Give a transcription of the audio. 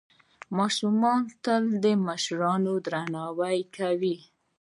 ماشومان تل د مشرانو درناوی کوي.